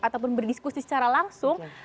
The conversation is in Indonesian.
ataupun berdiskusi secara langsung